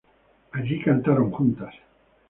Allí cantaron juntas.